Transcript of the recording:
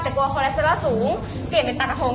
กลัวโคแลสเซอร่าสูงเปลี่ยนเป็นปัตตะโพง